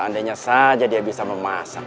andainya saja dia bisa memasak